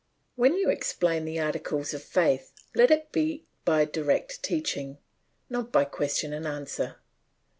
When you explain the Articles of Faith let it be by direct teaching, not by question and answer.